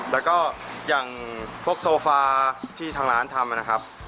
แล้วก็อย่างพวกโซฟาที่ทางร้านทำนะครับ